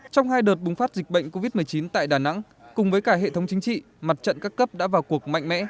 trong hai đợt bùng phát dịch bệnh covid một mươi chín tại đà nẵng cùng với cả hệ thống chính trị mặt trận các cấp đã vào cuộc mạnh mẽ